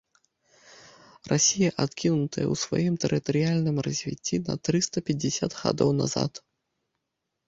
Расія адкінутая ў сваім тэрытарыяльным развіцці на трыста пяцьдзясят гадоў назад.